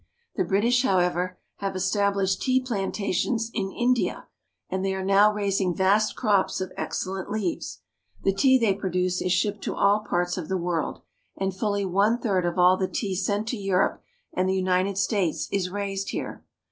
The British, however, have established tea plantations in India, and they are now raising vast crops of excellent leaves. The tea they produce is shipped to all parts of the world. 302 IN THE HEART OF THE HIMALAYA MOUNTAINS and fully one third of all the tea sent to Europe and the United States is raised here.